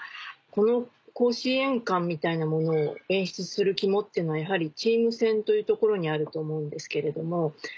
この甲子園感みたいなものを演出する肝っていうのはやはりチーム戦というところにあると思うんですけれども。